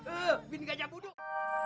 bintang gajah buduh